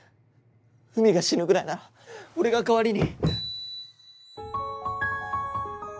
うみが死ぬぐらいなら俺が代わりに。